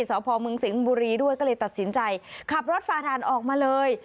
สพมสิงห์บุรีด้วยก็เลยตัดสินใจขับรถฝ่าด่านออกมาเลย